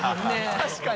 確かに。